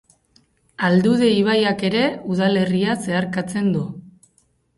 Aldude ibaiak ere udalerria zeharkatzen du.